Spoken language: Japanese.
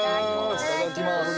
いただきます。